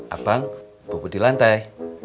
abang bobot di lantai